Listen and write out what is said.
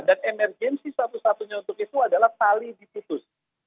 dan emergensi satu satunya untuk itu adalah tali diputus